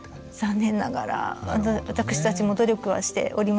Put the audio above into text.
残念ながら私たちも努力はしておりますが。